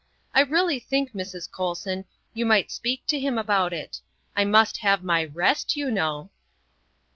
I really think, Mrs. Colson, you might speak to him about it. I must have my rest, you know."